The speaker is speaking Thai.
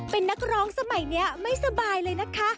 เป็นนักร้องสมัยนี้ไม่สบายเลยนะคะ